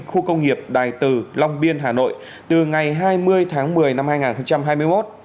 khu công nghiệp đại từ long biên hà nội từ ngày hai mươi tháng một mươi năm hai nghìn hai mươi một